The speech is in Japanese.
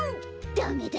ダメだ！